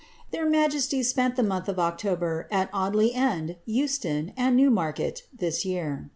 Their niojesties spent the month of October at Audley End, Eustoo, and Newmarket, this year.